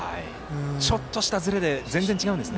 ちょっとしたずれで全然違うんですね。